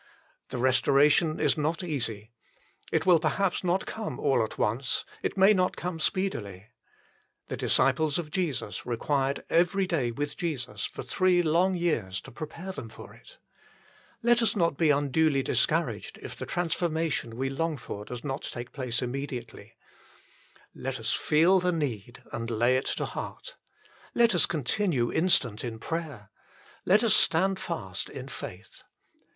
The restoration is not easy. It will perhaps not come all at once : it may not come speedily. The disciples of Jesus required every day with Jesus for three long years to prepare them for it. Let us not be unduly discouraged if the transformation we long for HOW LITTLE IT IS ENJOYED 63 does not take place immediately. Let us feel the need and lay it to heart. Let us continue instant in prayer. Let us stand fast in faith.